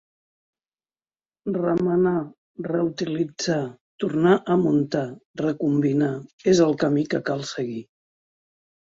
Remenar, reutilitzar, tornar a muntar, recombinar: és el camí que cal seguir.